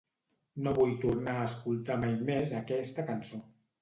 No vull tornar a escoltar mai més aquesta cançó.